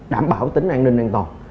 đảm bảo tính an ninh an toàn